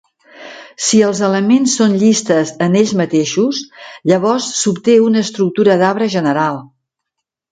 Si els elements són llistes en ells mateixos, llavors s'obté una estructura d'arbre general.